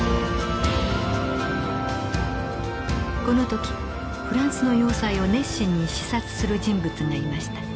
この時フランスの要塞を熱心に視察する人物がいました。